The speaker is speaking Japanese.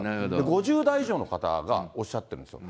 ５０代以上の方がおっしゃってるんですよ。